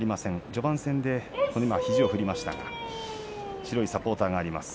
序盤戦で肘を振りましたが白いサポーターがあります。